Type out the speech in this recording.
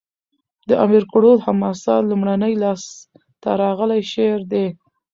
د امیر کروړ حماسه؛ لومړنی لاس ته راغلی شعر دﺉ.